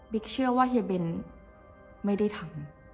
เชื่อว่าเฮียเบนไม่ได้ทำ